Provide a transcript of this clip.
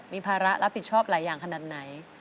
มีภาระรับผิดชอบหลายอย่างขนาดไหน